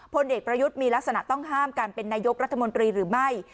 พลเอกประยุทธ์มีลักษณะต้องห้ามการเป็นนายกรัฐมนตรีหรือไม่